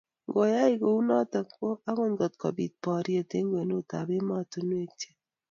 Ngoyai kounoto ko agot ngotkobit boriet eng kwenetab emotinwek che